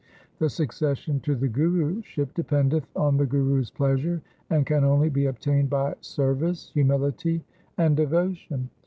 The succession to the Guruship dependeth on the Guru's pleasure, and can only be obtained by service, humility, and devotion.